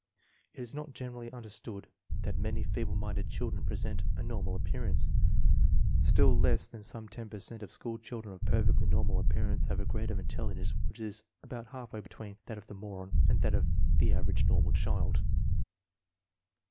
It is not generally understood that many feeble minded children present a normal appearance; still less that some ten per cent of school children of perfectly normal appearance have a grade of intelligence which is about halfway between that of the moron and the average normal child.